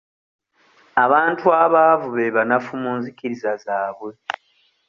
Abantu abaavu be banafu mu nzikiriza zaabwe.